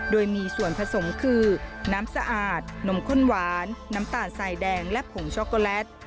โดยมีส่วนผสมคือน้ำสะอาดนมข้นหวานน้ำตาลสายแดงและผงช็อกโกแลต